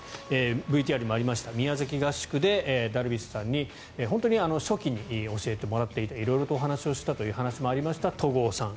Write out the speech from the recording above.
ＶＴＲにもありました宮崎合宿でダルビッシュさんに本当に初期に教えてもらっていて色々とお話をしたという話もありました、戸郷さん。